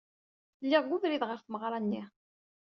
Lliɣ deg ubrid ɣer tmeɣra-nni.